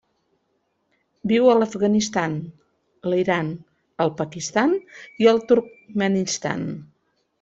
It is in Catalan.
Viu a l'Afganistan, l'Iran, el Pakistan i el Turkmenistan.